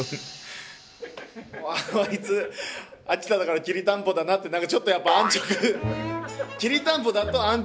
あいつ秋田だからきりたんぽだなって何かちょっとやっぱ安直。